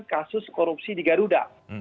kasus korupsi di garuda